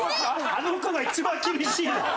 あの子が一番厳しいな。